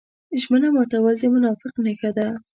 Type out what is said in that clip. ژمنه ماتول د منافق نښه ده.